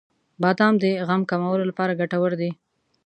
• بادام د غم کمولو لپاره ګټور دی.